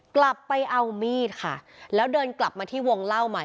กลับไปเอามีดค่ะแล้วเดินกลับมาที่วงเล่าใหม่